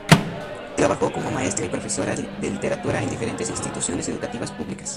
Trabajó como maestra y profesora de literatura en diferentes instituciones educativas públicas.